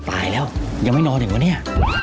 ตายแล้วยังไม่นอนอีกวะเนี่ย